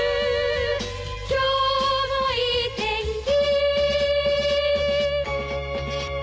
「今日もいい天気」